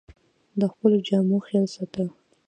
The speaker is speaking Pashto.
د خپلو جامو خیال ساته